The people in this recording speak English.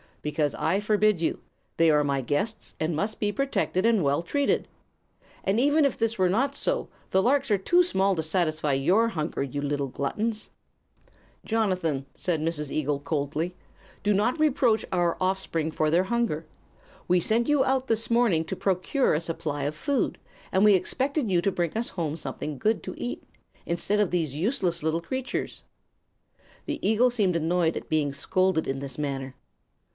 "Because I forbid you. They are my guests, and must be protected and well treated. And even if this were not so, the larks are too small to satisfy your hunger, you little gluttons." "Jonathan," said Mrs. Eagle, coldly, "do not reproach our offspring for their hunger. We sent you out this morning to procure a supply of food, and we expected you to bring us home something good to eat, instead of these useless little creatures." The eagle seemed annoyed at being scolded in this manner.